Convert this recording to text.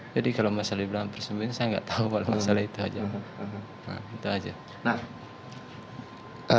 jadi kalau masalah di belakang persembunyian saya nggak tahu masalah itu aja